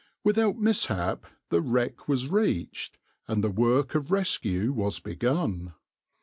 Without mishap the wreck was reached, and the work of rescue was begun.